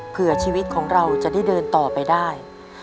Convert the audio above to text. เพื่อชีวิตของเราจะได้เดินต่อไปได้